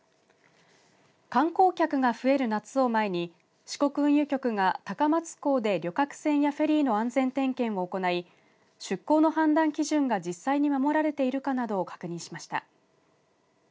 観光客が増える夏を前に四国運輸局が高松港で旅客船やフェリーの安全点検を行い出航の判断基準が実際に守られているかなどを確認しました。